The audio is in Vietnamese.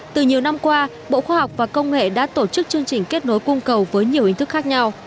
từ nhiều năm qua bộ khoa học và công nghệ đã tổ chức chương trình kết nối cung cầu với nhiều hình thức khác nhau